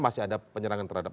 masih ada penyerangan terhadap